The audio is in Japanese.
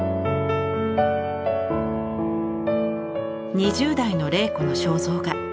２０代の麗子の肖像画。